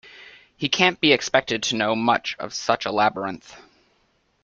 He can't be expected to know much of such a labyrinth.